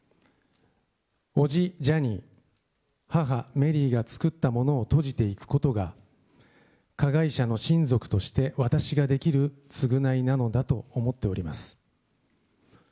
おじ、ジャニー、母、メリーが作ったものを閉じていくことが、加害者の親族として私ができる償いなのだと思っております。